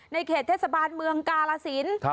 เขตเทศบาลเมืองกาลสิน